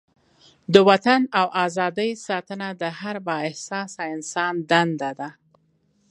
د وطن او ازادۍ ساتنه د هر با احساسه انسان دنده ده.